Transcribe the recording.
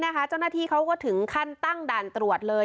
เจ้าหน้าที่เขาก็ถึงขั้นตั้งด่านตรวจเลย